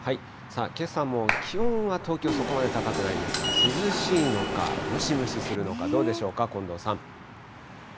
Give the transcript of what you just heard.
けさも気温は東京、そこまで高くないんですが、涼しいのか、ムシムシするのかどうでしょうか、近藤さん。